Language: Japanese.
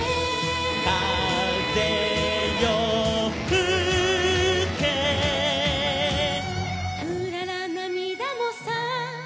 「かぜよふけ」「うららなみだもさ」